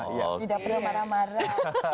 tidak pernah marah marah